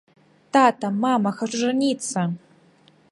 Тата, мама, хачу жаніцца!